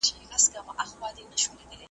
له خپل یزدانه ګوښه ,